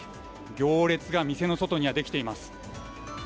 行列が店の外にできています。